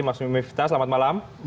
mbak fimita selamat malam